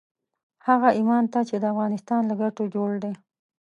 هغه ايمان ته چې د افغانستان له ګټو جوړ دی.